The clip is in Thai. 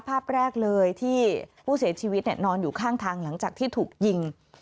ภาพแรกเลยที่ผู้เสียชีวิตนอนอยู่ข้างทางหลังจากที่ถูกยิง